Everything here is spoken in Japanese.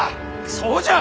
そうじゃ！